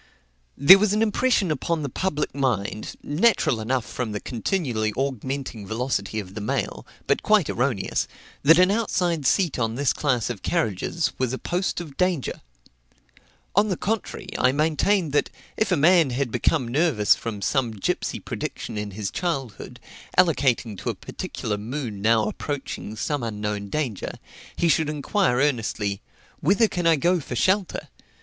There was an impression upon the public mind, natural enough from the continually augmenting velocity of the mail, but quite erroneous, that an outside seat on this class of carriages was a post of danger. On the contrary, I maintained that, if a man had become nervous from some gipsey prediction in his childhood, allocating to a particular moon now approaching some unknown danger, and he should inquire earnestly, "Whither can I go for shelter?